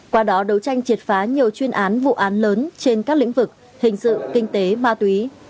qua đó đấu tranh triệt phá nhiều chuyên án vụ án lớn trên các lĩnh vực hình sự kinh tế ma túy